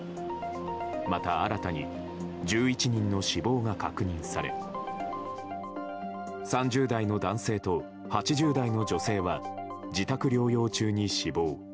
また新たに１１人の死亡が確認され３０代の男性と８０代の女性は自宅療養中に死亡。